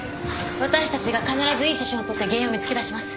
私たちが必ずいい写真を撮って原因を見つけ出します